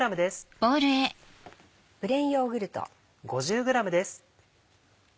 プレーンヨーグルト。